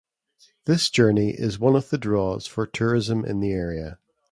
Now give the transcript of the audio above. This journey is one of the draws for tourism in the area.